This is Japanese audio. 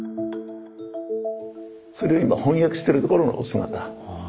それを今翻訳してるところのお姿。